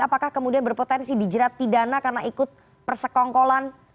apakah kemudian berpotensi dijerat pidana karena ikut persekongkolan